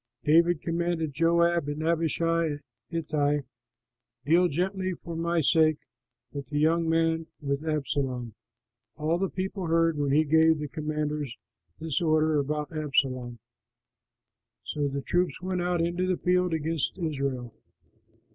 David commanded Joab and Abishai and Ittai, "Deal gently for my sake with the young man, with Absalom!" All the people heard when he gave the commanders this order about Absalom. So the troops went out into the field against Israel.